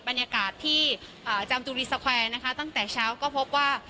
บรรยากาศที่จามจุรีสแควร์นะคะตั้งแต่เช้าก็พบว่า